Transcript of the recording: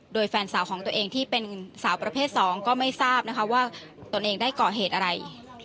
โดยแฟนสาวของตัวเองที่เป็นสาวประเภท๒ก็ไม่ทราบนะคะว่าตนเองได้ก่อเหตุอะไร